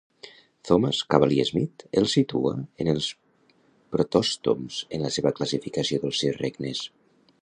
Thomas Cavalier-Smith els situa en els protòstoms en la seva classificació dels "sis regnes".